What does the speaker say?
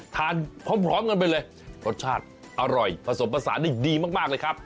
ทานพร้อมกันไปเลยรสชาติอร่อยผสมผสานได้ดีมากเลยครับ